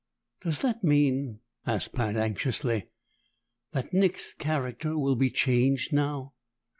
"Does that mean," asked Pat anxiously, "that Nick's character will be changed now?"